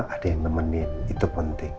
ada yang nemenin itu penting